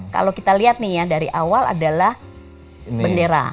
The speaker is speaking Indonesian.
kalau kita lihat nih ya dari awal adalah bendera